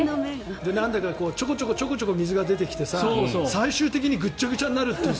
なんでかちょこちょこ水が出てきて最終的にぐっちゃぐちゃになるっていう。